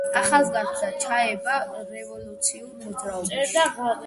ახალგაზრდა ჩაება რევოლუციურ მოძრაობაში.